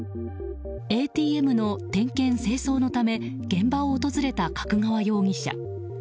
ＡＴＭの点検・清掃のため現場を訪れた角川容疑者。